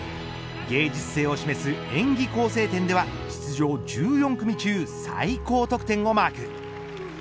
芸術性を示す演技構成点では出場１４組中最高得点をマーク。